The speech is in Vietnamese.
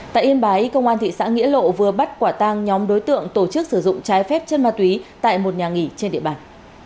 tại yên bái công an thị xã nghĩa lộ vừa bắt quả tang nhóm đối tượng tổ chức sử dụng trái phép chân ma túy tại một nhà nghỉ trên địa bàn